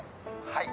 はい。